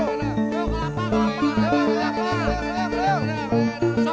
disini sana warungnya buka